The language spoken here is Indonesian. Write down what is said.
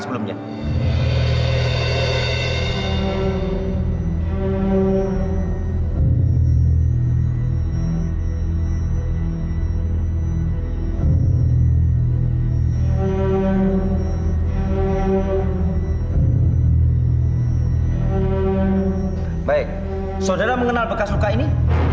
sebelumnya baik saudara mengenal bekas luka ini